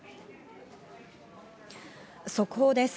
速報です。